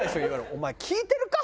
「お前聞いてるか？